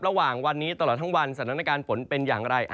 ระหว่างวันนี้ตลอดทั้งวันสถานการณ์ฝนเป็นอย่างไร